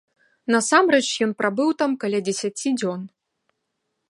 Насамрэч ён прабыў там каля дзесяці дзён.